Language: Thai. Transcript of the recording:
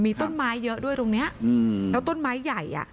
มีต้นไม้เยอะนะแล้วต้นไม้ใหญ่